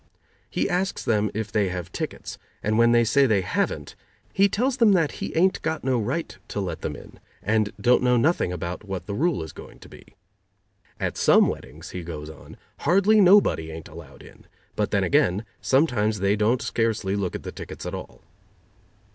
He asks them if they have tickets and when they say they haven't, he tells them that he ain't got no right to let them in, and don't know nothing about what the rule is going to be. At some weddings, he goes on, hardly nobody ain't allowed in, but then again, sometimes they don't scarcely look at the tickets at all.